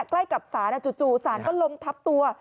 ใกล้กับศาสตร์จู่ศาสตร์ก็ลงทับตัว